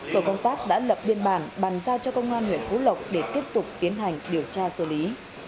tổ công tác đã lập biên bản bàn giao cho công an huyện phú lộc để tiếp tục tiến hành điều tra xử lý